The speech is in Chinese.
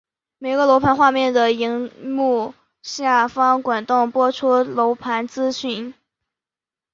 每个楼盘画面的萤幕下方滚动播出楼盘资讯。